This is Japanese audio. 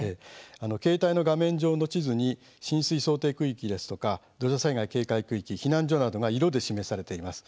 携帯の画面上の地図に浸水想定区域ですとか土砂災害警戒区域、避難所などが色で示されています。